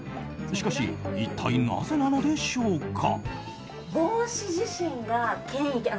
しかし一体なぜなのでしょうか？